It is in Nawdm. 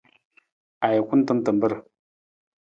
Ajukun tan tamar.